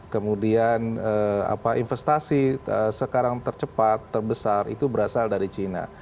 kemudian investasi sekarang tercepat terbesar itu berasal dari cina